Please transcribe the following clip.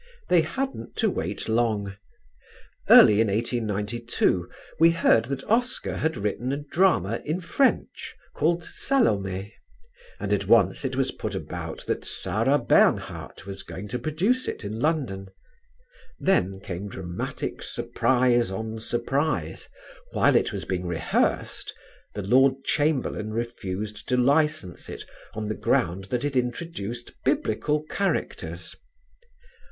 They hadn't to wait long. Early in 1892 we heard that Oscar had written a drama in French called Salome, and at once it was put about that Sarah Bernhardt was going to produce it in London. Then came dramatic surprise on surprise: while it was being rehearsed, the Lord Chamberlain refused to license it on the ground that it introduced Biblical characters.